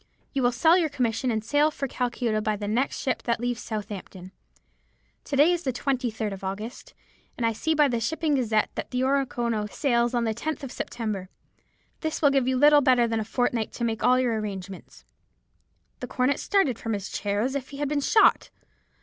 You will sell your commission, and sail for Calcutta by the next ship that leaves Southampton. To day is the 23rd of August, and I see by the Shipping Gazette that the Oronoko sails on the 10th of September. This will give you little better than a fortnight to make all your arrangements." "The young cornet started from his chair as if he had been shot.